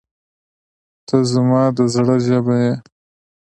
• ته زما د زړه ژبه یې.